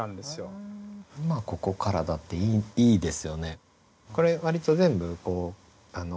「いまここからだ」っていいですよね。